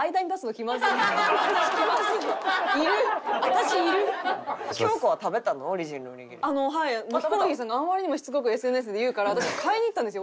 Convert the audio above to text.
ヒコロヒーさんがあまりにもしつこくＳＮＳで言うから私買いに行ったんですよ